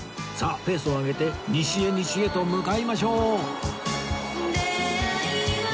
ペースを上げて西へ西へと向かいましょう！